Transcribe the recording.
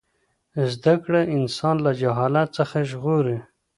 زده کړه انسان له جهالت څخه ژغوري.